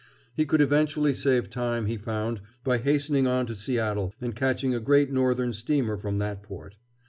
He could eventually save time, he found, by hastening on to Seattle and catching a Great Northern steamer from that port.